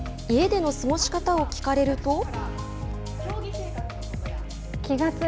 家での過ごし方を聞かれると。